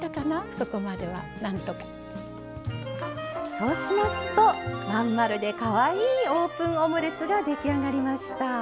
そうしますと真ん丸でかわいいオープンオムレツが出来上がりました。